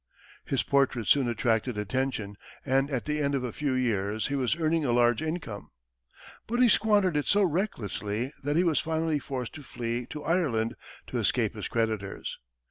His portraits soon attracted attention, and at the end of a few years, he was earning a large income. But he squandered it so recklessly that he was finally forced to flee to Ireland to escape his creditors.